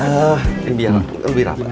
eh ini biar lebih rapat